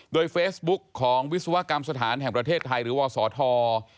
โดยเฟซบุ๊กของวิศวกรรมสถานแห่งประเทศไทยหรือวศธ